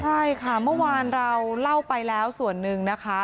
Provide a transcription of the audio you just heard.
ใช่ค่ะเมื่อวานเราเล่าไปแล้วส่วนหนึ่งนะคะ